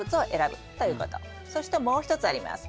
そしてもう一つあります。